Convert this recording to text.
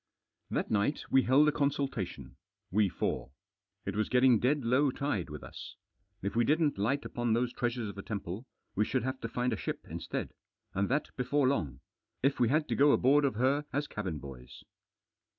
That night we held a consultation. We four. It was getting dead low tide with us. If we didn't light upon those treasures of the temple, we should have to find a ship instead. And that before long. If we had to go aboard of her as cabin boys.